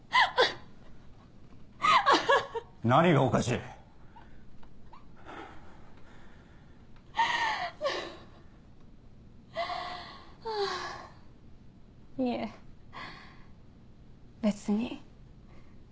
いえ別に。